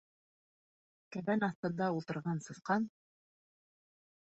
Кәбән аҫтында ултырған сысҡан: